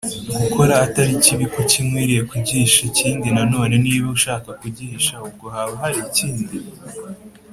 Gukora atari kibi kuki nkwiriye kugihisha ikindi nanone niba ushaka kugihisha ubwo haba hari ikindi